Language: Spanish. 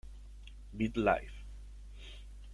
Beat Life!